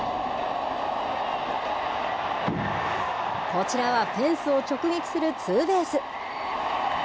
こちらはフェンスを直撃するツーベース。